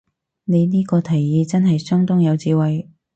你呢個提議真係相當有智慧